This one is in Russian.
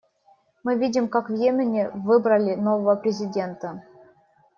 Мы видим, как в Йемене выбрали нового президента.